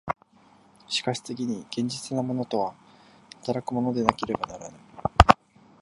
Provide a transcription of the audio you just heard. しかし次に現実的なものとは働くものでなければならぬ。